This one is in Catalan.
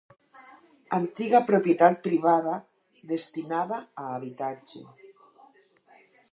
Antiga propietat privada destinada a habitatge.